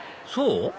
そう？